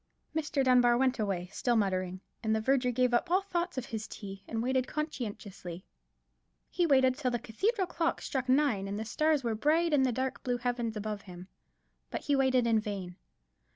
Mr. Dunbar went away, still muttering, and the verger gave up all thoughts of his tea, and waited conscientiously. He waited till the cathedral clock struck nine, and the stars were bright in the dark blue heaven above him: but he waited in vain.